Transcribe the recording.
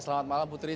ia selamat malam putri